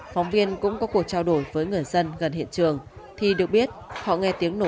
phóng viên cũng có cuộc trao đổi với người dân gần hiện trường